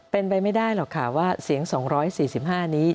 เป็นไปไม่ได้หรอกค่ะว่าเสียง๒๔๕นี้